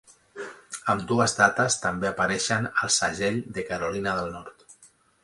Ambdues dates també apareixen al segell de Carolina del Nord.